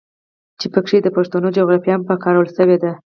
چې پکښې د پښتنو جغرافيه هم پکارولے شوې ده.